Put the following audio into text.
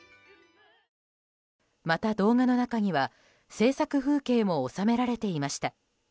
また動画の中には制作風景も収められていました。